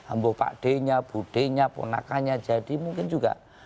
ambo pak d nya bu d nya ponakannya jadi mungkin juga